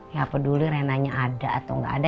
ya apa dulu renanya ada atau gak ada